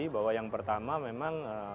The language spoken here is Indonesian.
bahwa yang pertama memang